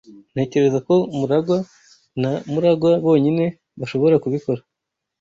Ntekereza ko MuragwA na MuragwA bonyine bashobora kubikora